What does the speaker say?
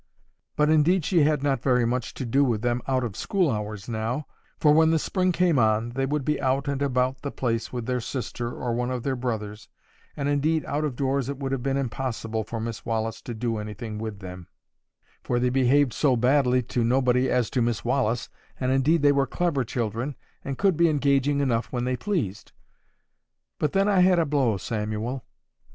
But indeed she had not very much to do with them out of school hours now; for when the spring came on, they would be out and about the place with their sister or one of their brothers; and indeed, out of doors it would have been impossible for Miss Wallis to do anything with them. Some of the visitors would take to them too, for they behaved so badly to nobody as to Miss Wallis, and indeed they were clever children, and could be engaging enough when they pleased.—But then I had a blow, Samuel.